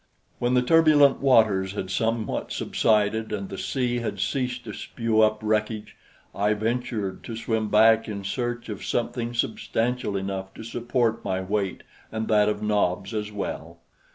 When the turbulent waters had somewhat subsided and the sea had ceased to spew up wreckage, I ventured to swim back in search of something substantial enough to support my weight and that of Nobs as well.